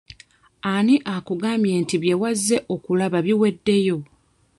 Ani akugambye nti bye wazze okulaba biweddeyo?